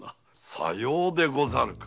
さようでござるか。